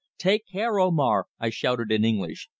"Take care, Omar!" I shouted, in English.